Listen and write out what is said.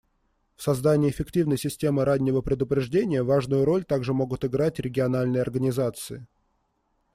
В создании эффективной системы раннего предупреждения важную роль также могут играть региональные организации.